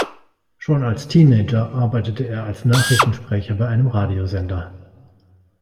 Schon als Teenager arbeitete er als Nachrichtensprecher bei einem Radiosender.